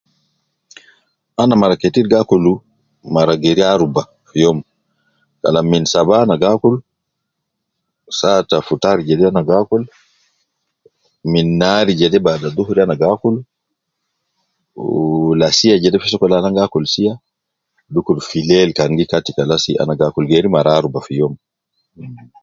Ana mara ketir gi akul mara geri aruba fi youm, kalam min saba ana gi akul, saa te futar jede ana gi akul, min naari jede bada dhuhuri ana gi akul ,wu lasiya jede fi sokol al ana gi akul sia, dukur filel jan gi kati kalas ana gi akul, geri mara aruba fi youm